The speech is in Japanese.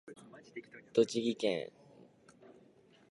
栃木県茂木町